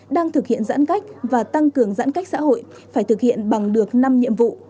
đang thực hiện giãn cách và tăng cường giãn cách xã hội phải thực hiện bằng được năm nhiệm vụ